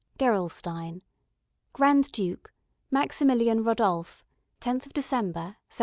"GEROLSTEIN. "Grand Duke: MAXIMILIAN RODOLPH, 10th December, 1764.